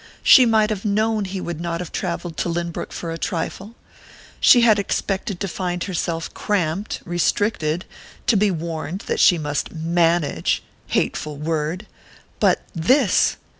She might have known he would not have travelled to Lynbrook for a trifle.... She had expected to find herself cramped, restricted to be warned that she must "manage," hateful word!... But this!